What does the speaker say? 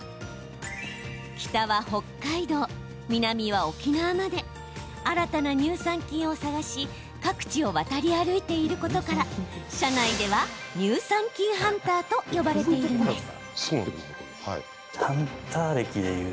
北は北海道、南は沖縄まで新たな乳酸菌を探し各地を渡り歩いていることから社内では、乳酸菌ハンターと呼ばれているんです。